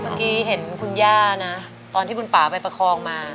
เมื่อกี้เห็นคุณย่านะตอนที่คุณป่าไปประคองมา